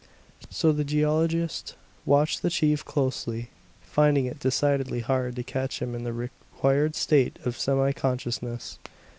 So the geologist watched the chief closely, finding it decidedly hard to catch him in the required state of semiconsciousness.